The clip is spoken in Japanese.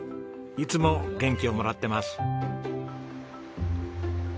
いつも元気をもらってます。